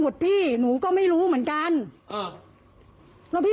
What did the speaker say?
มัดมาไปยืนอย่างนี้